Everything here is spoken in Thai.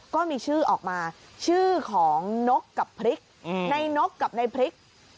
ก็มีชื่อออกมาชื่อของนกกับพริกในนกกับในพริก